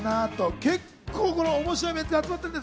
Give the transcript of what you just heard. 結構、面白いメンツが集まったんです。